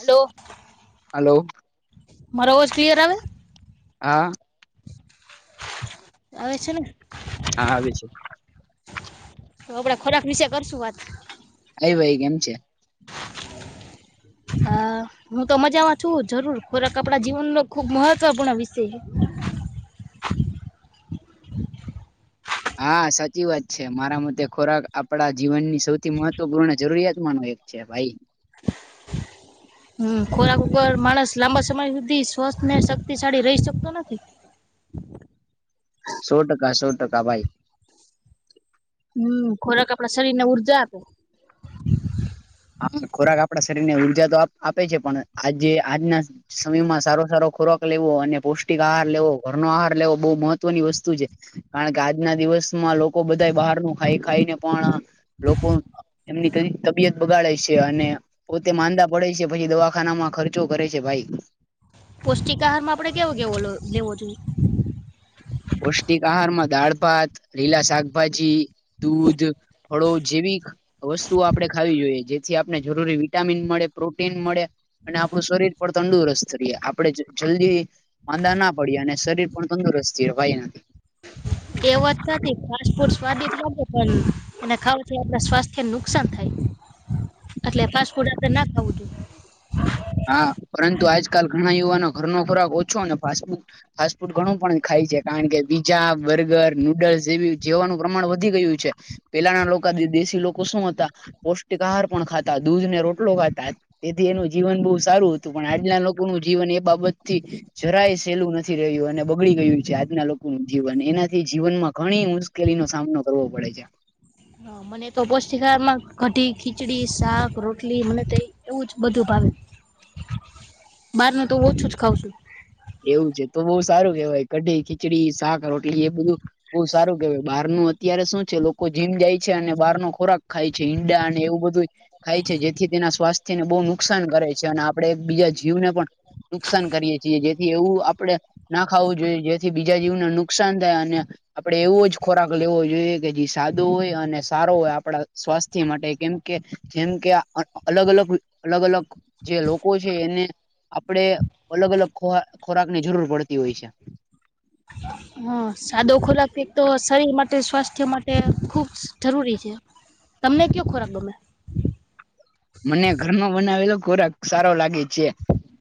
Hello hello મારો અવાજ clear આવે છે. હા- હવે છે હા આવે છે. તો આપડે ખોરાક વિશે કરશું વાત [unintelligible] કેમ છે. હા હું તો મજામાં છું જરૂર ખોરાક આપડા જીવનનો ખુબ મહત્વપૂર્ણ વિષય હે- હા સાચી વાત છે મારા મતે ખોરાક આપડા જીવનની સૌથી મહત્વપૂર્ણ જરૂરિયાતમાંનો એક છે ભાઈ. હમ્મ ખોરાક ઉપર માણસ લાંબા સમય સુધી સ્વસ્થ ને શક્તિશાળી રહી શકતો નથી. સો ટકા સો ટકા ભાઈ હમ્મ ખોરાક આપડા શરીર ને ઉર્જા આપે હા ખોરાક આપડા શરીર ને ઉર્જા તો આપે છે પણ આજે આજના સમય માં સારો સારો ખોરાક લેવો અને પૌષ્ટિક આહાર લેવો ઘરનો આહાર લેવો બહુ મહત્વની વસ્તુ છે. કારણ કે આજના દિવસમાં લોકો બધા બહાર નું ખાઈ ખાઈને પણ લોકો એમની તબિયત- બગાડે છે અને પોતે માંદા પડે છે પછી દવાખાનામાં ખર્ચો કરે છે. ભાઈ! પૌષ્ટિક આહારમાં આપડે કેવો કેવો લેવો જોઈએ? પૌષ્ટિક આહારમાં દાળ ભાત લીલા શાકભાજી દૂધ થોડો જેવી વસ્તુઓ આપડે ખાવી જોઈએ જેથી આપને જરૂરી વિટામીન મળે પ્રોટીન મળે. અને આપણું શરીર પણ તંદુરસ્ત કરીએ. આપણે જલ્દી માંદા ના પડીએ. અને શરીર પણ તંદુરસ્તી ભાઈ. એવ જ નથી ફાસ્ટ ફૂડ સ્વાદટ લાગ પણ. એને ખાવું છે એટલે સ્વાસ્થ્યને નુકસાન થાય. એટલે ફાસ્ટ ફૂડ આપડે ના ખાવું જોઈએ. હા. પરંતુ આજકાલ ઘણા યુવાનો ઘરનોો ખોરાક ઓછો અને પાછ ફાસ્ટ ફૂડ ઘણું પણ ખાય છે કારણ કે બીઝા બર્ગર નુડલ્સ જેવી જેવાનું પ્રમાણ વધી ગયું છે. પેલાના લોકો દેશી લોકો શું હતા. પૌષ્ટિક આહાર પણ ખાતા. દૂધ ને રોટલો ખાતા. તેથી એનું જીવન બહુ સારું હતું. પણ આજના લોકો ન જીવન એ બાબત થી જરાય સેલું નથી રહ્યું અને બગડી ગયું છે. આજના લોકોનું જીવન એનાથી જીવનમાં ઘણી મુ મુશ્કેલી નો સામનો કરવો પડે છે. હા મને. તો પૌષ્ટિકારમાં કઢી ખીચડી શાક રોટલી મને તે એવું જ બધું ભાવે. [unintelligible] બાર ન તો ઓછું જ ખાવં છું. એવું છે. તો બહુ સારું કેવાય કઢી ખીચડી શાક રોટલી એ બધું બહુ સારું કેવાય. નું અત્યારે શું છે. લોકો જીમ જાય છે અને બહાર નો ખોરાક ખાય છે. ઈંડા અને એવું બધું ખાય છે જેથી તેના સ્વાસ્થ્યને બહુ નુકસાન કરે છે. અને આપડણે બીજા જીવને પણ નુકસાન કરીએ છીએ. જેથી એવું આપડે ના ખાવું જોઈએ જેથી બીજા જીવને નુકસાન થાય. અને આપડે એવો જ ખોરાક લેવો જોઈએ કે જે સાદો હોય અને સારો હોય. આપણા સ્વાસ્થ્ય માટે કેમ કે જેમ કે અલગ અલગ અલગ અલગ જે લોકો છે એને આપડે અલગ અલગ ખ ખોરાકની જરૂર પડતી હોય છે. હા સાદો ખોરાક પ તો શરીર માટે સ્વાસ્થ્ય માટે ખુબ જરૂરી છે. તમને કયયો ખોરાક ગમે? મને ઘરમાં બનાવેલો ખોરાક સારો લાગે છે.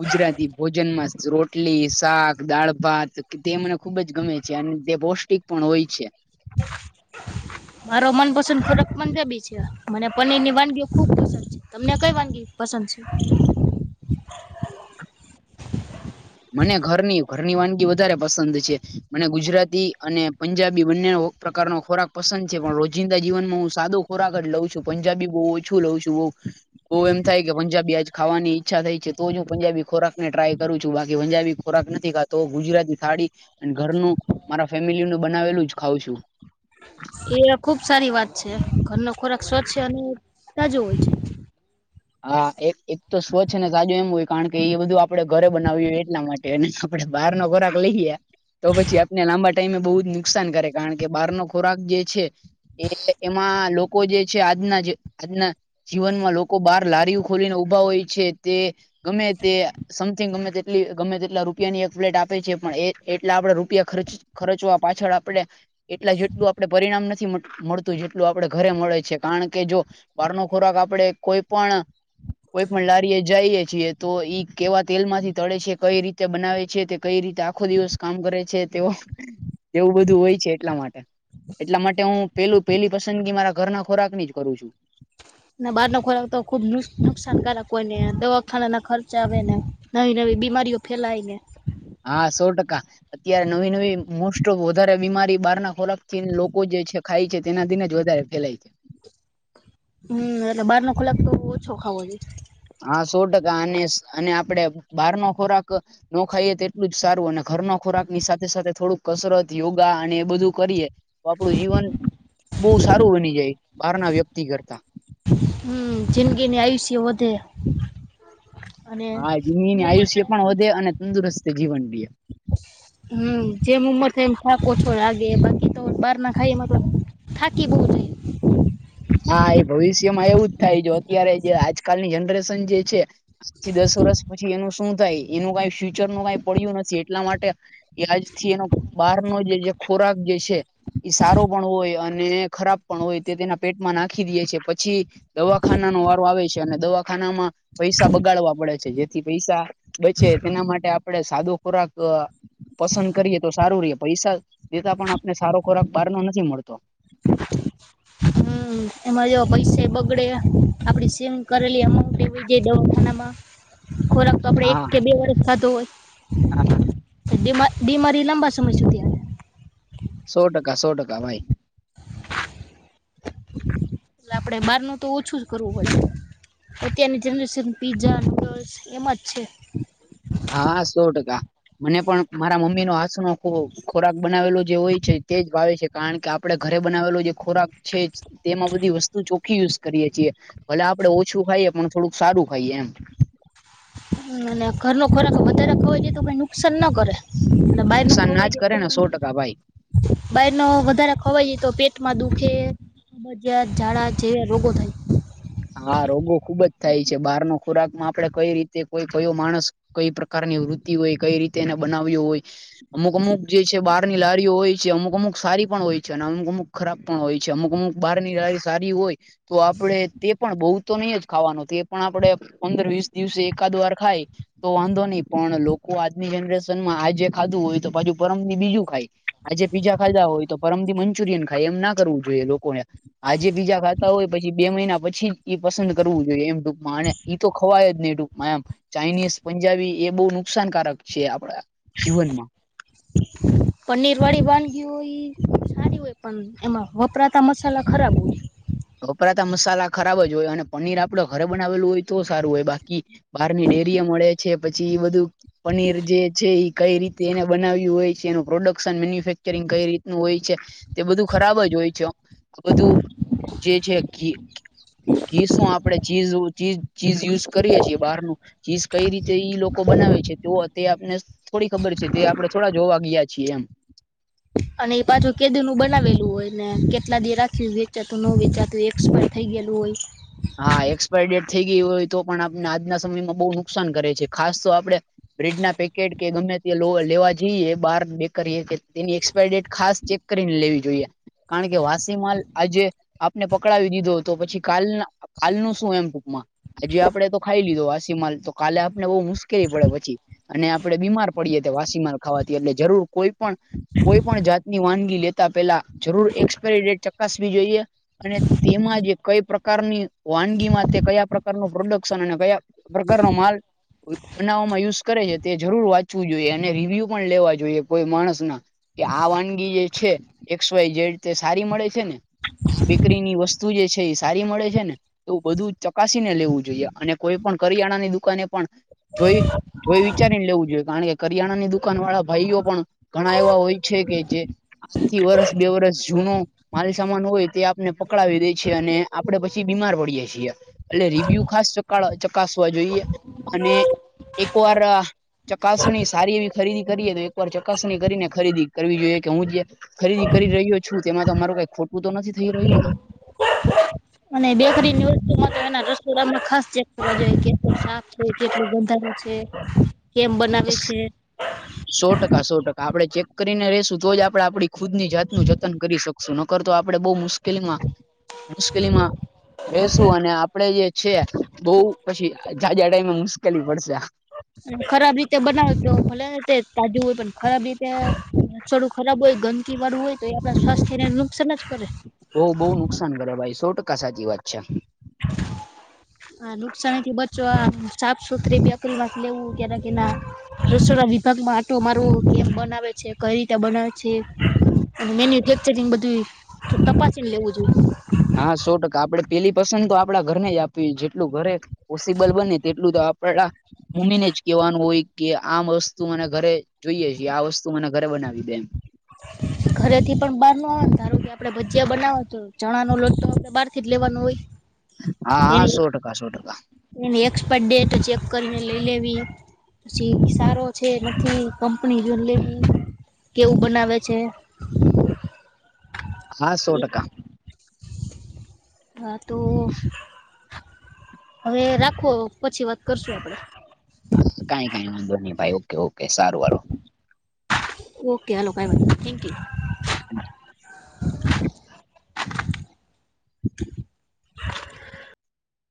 ગુજરાતી ભોજનમાં રોટલી શાક દાળ ભાત કે તે મને ખુબ જ ગમે છે. અને તે પૌષ્ટિક પણ હોય છે. મારો મનપસંદ ખોરાક પંજાબી છે મને પનીર ની વાનગીઓ ખુબ પસંદ છે. તમને કઈ વાનગી પસંદ છે? મને ઘરની ઘરની વાનગી વધારે પસંદ છે. મને ગુજરાતી અને પંજાબી બંને પ્રકાર નો ખોરાક પસંદ છે. પણ રોજિંદા જીવનમાં હું સાદો ખોરાક જ લઉં છું. પંજાબી બહુ ઓછું લઉં છું. બઉ બ એમ થાય કે પંજાબી આજ ખાવાની ઈચ્છા થાય છે. તો જ હું પજાબી ખોરાક ને ટ્રાય કરું છું. બાકી પંજાબી ખોરાક નથી ખાતો. ગુજરાતી થાળી અને ઘરનું મારા ફેમિલી નું બનાવેલું જ ખાવં છું. એ ખુબ સારી વાત છે ઘરનો ખોરાક સ્વચ્છ છે અને તાજો હોય છે. હા એક તો સ્વચ્છ ને સાજું એમ હોય કારણ કે એ બધું આપડે ઘરે બનાવ્યું હોય એટલા માટે. એને આપડે બહાર નો ખોરાક લઈ ગયા. તો પછી આપને લાંબા ટાઈમે બહુ જ નુકસાન કરે કારણ કે બહાર નો ખોરાક જે છે. એ એમાં લોકો જે છે. આજના આજના જીવનમાં લોકો બાર લારીઓ ખોલીને ઉભા હોય છે તે ગમે તે સમથિંગ ગમે તેટલી ગમે તેટલા રૂપિયાની એક પ્લેટ આપે છે. પણ એટલા આપડે રૂપિયા ખર્ચ ખર્ચવા પાછળ આપડે એટલા જેટલું આપડણે પરિણામ નથી મળતું જેટલું આપડે ઘરે મળે છે. કારણ કે જો બહાર નો ખોરાક આપડે કોઈ પણ કોઈ પણ લારી એ જઈએ છીએ તો ઈ કેવા તેલ માંથી તળે છે? કઈ રીતે બનાવે છે? કઈ રીતે આખો દિવસ કામ કરે છે. તે એવું બધું હોય છે એટલા માટે. એટલા માટે હું પેલું પેલી પસંદગી મારા ઘરના ખોરાક ની જ કરું છું ના બહાર નો ખોરાક તો ખુબ નુકસાનકારક હોઈને દવાખાના ના ખર્ચા આવે ને નવી નવી બીમારીઓ ફેલાયને હા સો ટકા અત્યારે નવી નવી મોસ્ટ ઓફ વધારે બીમારી બહાર ના ખોરાક થીને લોકો જે છે ખાય છે તેના દિને જ વધારે ફેલાય છે હમ્મ એટલે બાર નો ખોલાક તો ઓછો ખાવો જોઈએ હા સો ટકા અને અને આપડે બહાર નો ખોરાક નો ખાઈએ તો એટલું જ સારું અને ઘરનો ખોરાક ની સાથે સાથે થોડુંક કસરત યોગા અને એ બધું કરીએ તો આપડુ જીવન બહુ સારું બની જાય બહાર ના વ્યક્તિ કરતા હમ્મ જિંદગીની આયુષ્ય વધે અને હા જેમ જિંદગીને ઉંમર આયુષ્ય થાય પણ વધે અને તંદુરસ્ત જીવન રેય હમ્મ જેમ ઉમર થાય એમ થાકો ઓછો લાગે બાકી તો બાર ના ખાઈ એમાં તો થાકી બહુ જાય હા એ ભવિષ્યમાં એવું જ થાય જો અત્યારે જે આજકાલની જનરેશન જે છે પછી દસ વર્ષ પછી એનું શું થાય એનું કઈ ફ્યુચર નું કઈ પડ્યું નથી એટલા માટે વ્યાજ થી એનો બહાર નો જે ખોરાક જે છે એ સારો પણ હોય અને ખરાબ પણ હોય તે તેના પેટમાં નાખી દે છે પછી દવાખાના નો વારો આવે છે અને દવાખાનામાં પૈસા બગાડવા પડે છે જેથી પૈસા બચે તેના માટે આપણે સાદો ખોરાક અ પસંદ કરીએ તો સારું રહી પૈસા દેતા પણ આપને સારો ખોરાક બાર નો નથી મળતો હમ્મ એમાં જે પૈસા બગડે આપડી સેવિંગ કરેલી અમાઉન્ટ એવી જઈ દવાખાનામાં ખોરાક કપડે એક કે બે વરષ ખાધું હોય હ હ બીમારી બિમારી લાંબા સમય છે સો ટકા સો ટકા ભાઈ એટલે આપડે બાર નું તો ઓછું જ કરવું હોય અત્યારની જનરેશન પીઝા નુડલ્સ એમાં જ છે હા હાં સો ટકા મને પણ મારા મમ્મી નો હાસુ નો ખો ખોરાક બનાવેલો જે હોય છે તે જ ભાવે છે કારણ કે આપડે ઘરે બનાવેલો જે ખોરાક છે જ તેમાં બધી વસ્તુ ચોખ્ખી યુઝ કરીએ છીએ ભલે આપડે ઓછું ખાઈએ પણ થોડુંક સારું ખાઈએ એમ અને ઘરનો ખોરાક વધારે ખાવા જઈએ તો આપણે નુકસાન ના કરે ના બારનું નુકસાન ના જ ખવાઈ જાય કરે તો ને સો ટકા ભાઈ બાર નું વધારે ખવાઈ જાય તો પેટમાં દુખે ભજ્યા ઝાડા જે રોગો થાય હા રોગો ખુબ જ થાય છે બહાર નો ખોરાક માં આપડે કઈ રીતે કોઈ કયો માણસ કઈ પ્રકારની વૃત્તિ હોય કઈ રીતે એને બનાવ્યો હોય અમુક અમુક જે છે બહારની લારીઓ હોય છે અમુક અમુક સારી પણ હોય છે અને અમુક અમુક ખરાબ પણ હોય છે અમુક અમુક બહાર ની લારી સારી હોય તો આપડે તે પણ બહુ તો નહી જ ખાવાનું તો એ પણ આપડે પંદર વીસ દિવસે એકાદ વાર ખાય તો વાંધો નહી પણ લોકો આજની જનરેશન માં આજે ખાધું હોય તો પાછુ પરમ દી બીજું ખાય આજે પીઝા ખાધા હોય તો પરમથી મંચુરિયન ખાય એમ ના કરવું જોઈએ લોકોને આજે બીજા ખાતા હોય પછી બે મહિના પ પછી પસંદ કરવું જોઈએ એમ ટૂંકમાં અને તો ખવાય જ નહી ટૂંકમાં એમ ચાઇનીઝ પંજાબી એ બહુ નુકસાનકારક છે આપડા જીવનમાં પનીર વાળી વાનગી હોય સારી હોય પણ એમાં વપરાતા મસાલા ખરાબ હોય વપરાતા મસાલા ખરાબ જ હોય અને પનીર આપડે ઘરે બનાવેલું હોય તો સારું હોય બાકી બહાર ની ડેરીઓ મળે છે પછી એ બધું પનીર જે છે ઈ કઈ રીતે એને બનાવ્યું હોય છે એનું પ્રોડક્શન મેન્યુફેક્ચરિંગ કઈ રીતનું હોય છે તે બધું ખરાબ જ હોય છે બધું જે છે ઘી ઘી શું આપડે ચીજ ચીજ ચીઝ યુઝ કરીએ છીએ બહારનું ચીઝ કઈ રીતે ઈ લોકો બનાવે છે તો તે આપને થોડી ખબર છે તે આપડણે થોડા જોવા ગયા છીએ એમ. અને એ પાછું કેદી નું બનાવેલું હોય ને કેટલા દે રાખ્યું વેચાતું નુ વેચાતું એક્સપાયર થઈ ગયેલું હોય. હા! બ્રેડના પેકેટ કે ગમે તે લોલ લેવા જયે બાર બેકરીએ કે એની એક્સપાયર ડેટ ખાસ જો પને લેવી જોઈએ કારણ કે વાસી માલ આજે આપને પકડાવી દીધો તો પછી કાલના કાલ નું શું એમ ટૂંકમાં? હજી આપડે તો ખાઈ લીધો વાસીમાલ તો કાલે આપને બહુ મુશ્ લી પડે પછી અને આપડે બીમાર પડીએ વાસી માર ખાવાથી એટલે જરૂર કોઈ પણ કોઈ પણ જાતની વાનગી લેતા પહેલા જરુર એક્સપાયરી ડેટ ચકાસવી જોઈએ. અને તેમાં જ કઈ પકારની વાનગીમાં તે કયા પ્રકાર ન પ્રોડક્શન અને કયા પ્રકારનો માલ બનાવવામાં યુ કરે છે તે જરૂર વાંચવું જોઈએ અને રીવ્યુ પણ લેવા જોઈએ કોઈ માણસના. કે આ વાનગીએ છે એસ વાય જેડ તે સારી મડે છે ને બેકરીની વસ્તુ એ સારી મળી છેને એવું બધું ચકાસીને લેવું જોઈએ અને કોઈ પણ કરિયાણાની દુકાને પણ જોઈ જેઇ વિચારિ ને લેઉ જેઇએ કારણ કે કરિયાની દુકાન વારા ભાયો પણ ઘણા એવા હોય છે કે જે આજ થી વર્ષ બે વરષ જૂનુ માલ સામાન હોયતે આપને પકડાવી દેછે અને આપડે બીમાર પડિએ એટ રિવ્યુ ખાસ ચકાસવા જોઈએ અને. એક વાર ચકાસણી સારી એવી ખરીદી કરીએ તો એકવાર ચકાસણી કરીને ખરીદી કરવી જોઈએ કે હું જ. ખરીદી કરી રહ્યો છું તેમાં તો અરું કઈ ખોટું તો નથી થઈ રહ્યું ને [inaudible] [inaudible] સો ટકા. સો ટકા આપડે ચેક. કરીને રશું તો જ આપણે આપણી ખુદ ની જાત ન જતન કરી શકશું નકરતો આપડણે બહુ મુશ્કેલમા મુસકેલી રેસુ અને આપડે છે બઉ પછી જાજા ટાઈમ મુશ્કેલી પડશે. ખરાબ રીતે બનાવે તો ભલે તે તાજું હોય પણ ખરાબ રીતે [inaudible] [inaudible] હ નુકસાનથી બચવા સાફ સુથરી અપ્ર માંથી લેવું ક્યારે કે ના. રસોરા વિભાગમાં આટો મારવો કેમ બનાવેછે કઇ રિતે બનાવે એ અને મેન્યુફેક્ચરિંગ બધું તપાસીને લેવું જોઈએ. હા, સો ટકા આપડે પેલી પસંદ તો આપડા ઘરને આપવી જેએ જેટલુ ધરે પોસિબલ બને તેટલું તો આપડા મમ્મીને જ કેવાનું હોય કે આમ વસ્તુ મને ઘરે જોઈએ છીએ આ વસ્તુ મને ઘરે બનાવી દેમ [inaudible] ઘરે થી પણ બહાર ન આવેવા ને ધારો કે આપડે ભજીયા બનાવ તો ચણા નો લોટો આપણેે બારથી જ લેવાનો હોય. હા, એની સો ટકા સો ટકા. એની એક્સપાયર ડેટ ચેક કરીને લઈ લેવી. પછી સારો છે નથી કંપની લે કેવું બનાવે. આવે છે. હા સો ટકા. હ તો. હવે રાખો પછી વાત કરશું આપડે. હા, કઈ કઈ વાંધો નહી ભાઈ ઓકે ઓકે સારું વા ઓકે હાલોકાય ભાઈ થેન્કયુ. હમ!